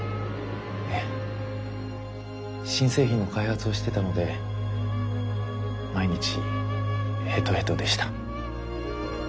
ええ新製品の開発をしてたので毎日ヘトヘトでした。